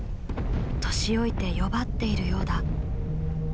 年老いて弱っているようだ。